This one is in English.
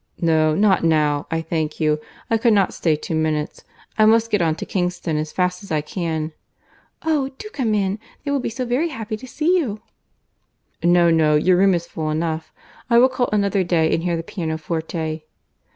"No, not now, I thank you. I could not stay two minutes. I must get on to Kingston as fast as I can." "Oh! do come in. They will be so very happy to see you." "No, no; your room is full enough. I will call another day, and hear the pianoforte."